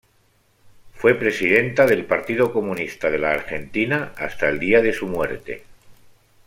Fue presidenta del Partido Comunista de la Argentina hasta el día de su muerte.